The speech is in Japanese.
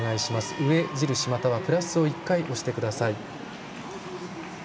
上印、またはプラスを１回、押してください。